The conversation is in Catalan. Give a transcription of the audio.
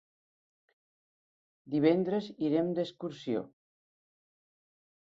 Divendres irem d'excursió.